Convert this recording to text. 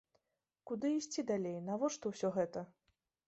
Куды ісці далей, навошта ўсё гэта?